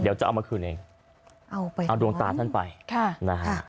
เดี๋ยวจะเอามาคืนเองเอาไปเอาดวงตาท่านไปค่ะนะฮะ